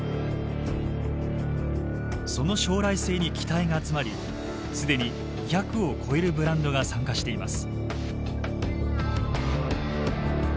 その将来性に期待が集まり既に２００を超えるブランドが参加しています。